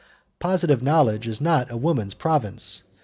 Positive knowledge is not a woman's province.